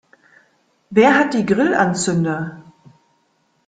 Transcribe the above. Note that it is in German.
Wer hat die Grillanzünder?